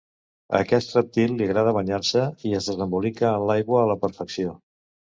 A aquest rèptil li agrada banyar-se i es desembolica en l'aigua a la perfecció.